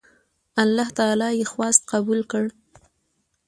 الله تعالی یې خواست قبول کړ.